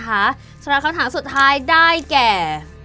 สำหรับคำถามสุดท้ายได้แก่